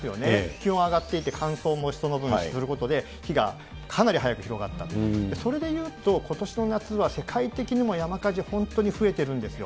気温上がっていて、乾燥もその分することで、火がかなり早く広がった、それでいうと、ことしの夏は世界的にも山火事、本当に増えているんですよ。